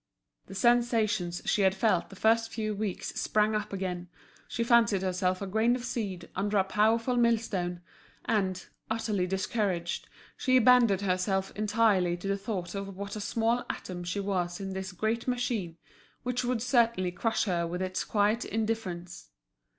The sensations she had felt the first few weeks sprang up again, she fancied herself a grain of seed under a powerful millstone; and, utterly discouraged, she abandoned herself entirely to the thought of what a small atom she was in this great machine, which would certainly crush her with its quiet indifference.